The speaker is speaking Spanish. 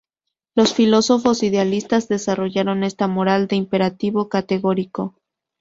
Los filósofos idealistas desarrollaron esta moral del imperativo categórico.